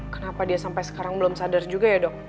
kenapa dia sampai sekarang belum sadar juga ya dok